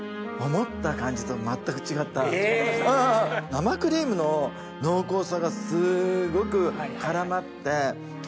生クリームの濃厚さがすごく絡まって溶ける感じ。